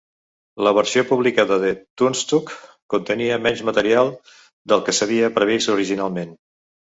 La versió publicada de 'Toonstruck' contenia menys material del que s'havia previst originalment.